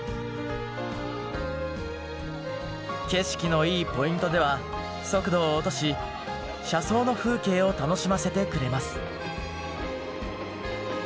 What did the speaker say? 景色のいいポイントでは速度を落とし車窓の風景を楽しませてくれます。